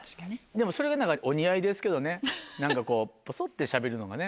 でもそれが何かお似合いですけどね何かこうポソってしゃべるのがね。